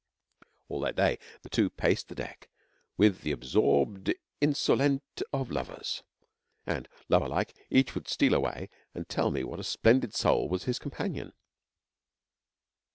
All that day the two paced the deck with the absorbed insolente of lovers; and, lover like, each would steal away and tell me what a splendid soul was his companion.